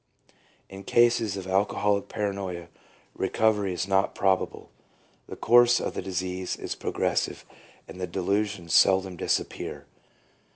In cases of Alcoholic Paranoia recovery is not probable. The course of the disease is progressive, and the delusions seldom disappear.